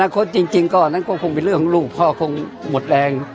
อนาคตจริงก็คงเป็นเรื่องลูกพ่อตัวหมดแรง